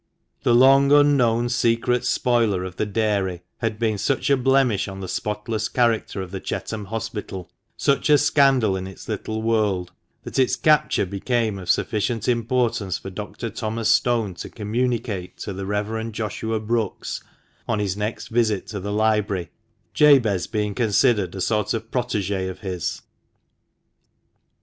The long unknown secret spoiler of the dairy had been such a blemish on the spotless character of the Chetham Hospital — such a scandal in its little world — that its capture became of sufficient importance for Dr. Thomas Stone to communicate to the Reverend Joshua Brookes on his next visit to the library, Jabez being considered a sort of prot/gJ of his.